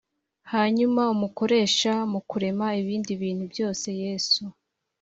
Hanyuma amukoresha mu kurema ibindi bintu byose yesu